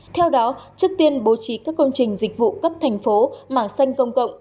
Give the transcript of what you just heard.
theo đó trước tiên bố trí các công trình dịch vụ cấp thành phố mảng xanh công cộng